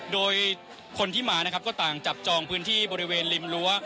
โดยคนที่มานะครับก็ต่างจับจองพื้นที่บริเวณริมรั้ว